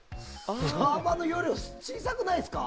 サーバーの容量小さくないですか？